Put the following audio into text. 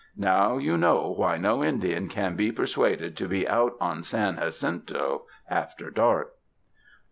Now you know why no Indian can be persuaded to be out on San Jacinto after dark."